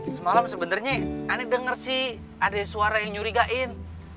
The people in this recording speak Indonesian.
semalam sebenarnya aneh denger sih ada suara yang nyurigain